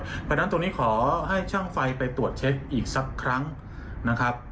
เพราะฉะนั้นตรงนี้ขอให้ช่างไฟไปตรวจเช็คอีกสักครั้งนะครับ